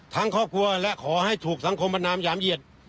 ครอบครัวและขอให้ถูกสังคมประนามหยามเหยียด